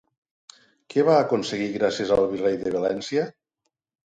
Què va aconseguir gràcies al virrei de València?